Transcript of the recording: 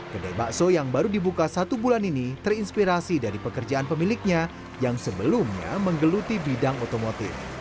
kedai bakso yang baru dibuka satu bulan ini terinspirasi dari pekerjaan pemiliknya yang sebelumnya menggeluti bidang otomotif